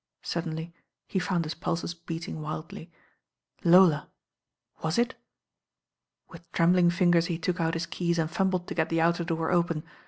Suddenly he found his pulses beating wildly. Lola I Was it With trembling fingers he took out his keys and fumbled to get the outer door open.